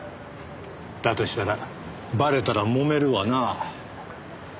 だとしたらバレたらもめるわなぁ。